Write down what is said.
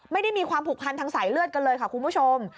ไม่ได้มีความผูกพันทางสายเลือดกันเลยค่ะคุณผู้ชม